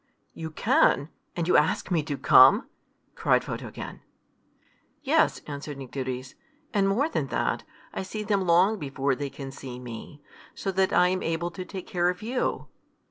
"You can! and you ask me to come!" cried Photogen. "Yes," answered Nycteris. "And more than that, I see them long before they can see me, so that I am able to take care of you."